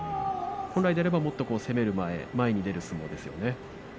本来ならもっと攻める前に出る相撲ですよね。